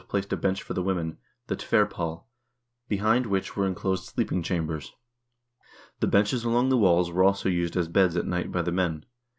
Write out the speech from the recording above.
placed a bench for the women, the tverpall, behind which were in closed sleeping chambers. The benches along the walls were also used as beds at night by the men.